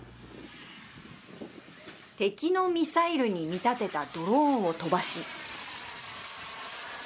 敵のミサイルに見立てたドローンを飛ばし。